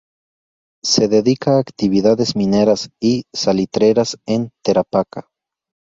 Se dedica a actividades mineras y salitreras en Tarapacá.